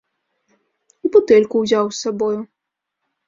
І бутэльку ўзяў з сабою.